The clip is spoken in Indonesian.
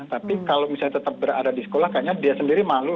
tapi kalau misalnya tetap berada di sekolah kayaknya dia sendiri malu